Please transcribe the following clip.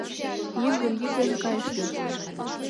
Йыҥгыр йӱк ден кайышна.